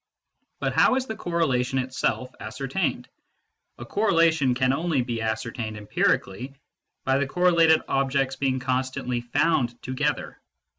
But how is the correlation itself ascertained ? A cor relation can only be ascertained empirically by the cor related objects being constantly found together.